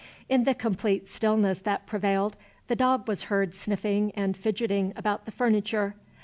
In the complete stillness that prevailed, the dog was heard sniffing and fidgeting about the furniture.